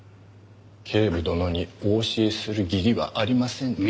警部殿にお教えする義理はありませんね。